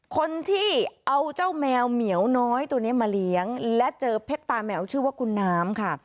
คนที่เอาเจ้าแมวเหมียวน้อยตัวนี้มาเลี้ยงและเจอเพชรตาแมวชื่อว่าคุณน้ำค่ะ